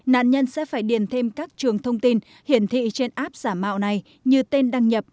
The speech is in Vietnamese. nạn nhân sẽ phải điền thêm các trường thông tin hiển thị trên app giả mạo này như tên đăng nhập